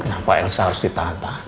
kenapa elsa harus ditahan tahan ma